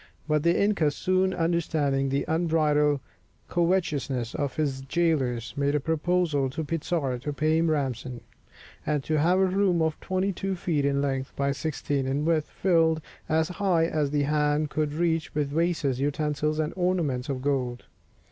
But the inca, soon understanding the unbridled covetousness of his jailors, made a proposal to Pizarro to pay him ransom, and to have a room of twenty two feet in length by sixteen in width filled as high as the hand could reach with vases, utensils, and ornaments of gold.